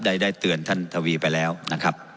ได้เตือนท่านทวีไปแล้วนะครับ